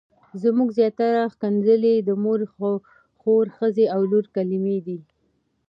زموږ زياتره ښکنځلې د مور، خور، ښځې او لور کلمې دي.